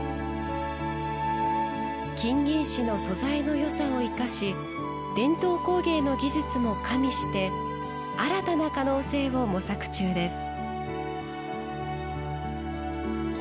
金銀糸の素材のよさを生かし伝統工芸の技術も加味して新たな可能性を模索中です。